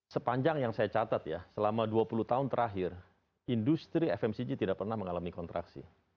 sepanjang yang saya catat ya selama dua puluh tahun terakhir industri fmcg tidak pernah mengalami kontraksi